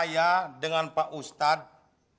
saya dengan pak ustadz